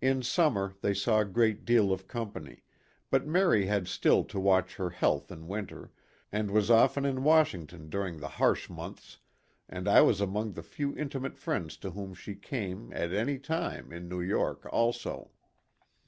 In summer they saw a great deal of company, but Mary had still to watch her health in winter, and was often in Washington during the harsh PLAY AND WORK. 8 1 months ; and I was among the few intimate friends to whom she came, at any time, in New York also.